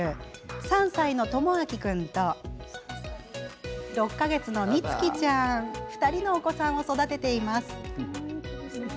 ３歳の僚晃君と６か月の翠月ちゃん２人のお子さんを育てています。